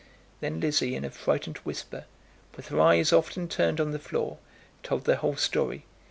Then Lizzie, in a frightened whisper, with her eyes often turned on the floor, told the whole story.